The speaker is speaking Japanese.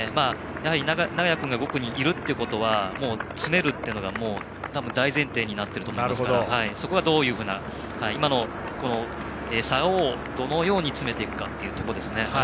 やはり長屋君が５区にいるということは詰めるということが大前提になっていると思いますからそこが、どういうふうに今の差をどのように詰めていくかですよね。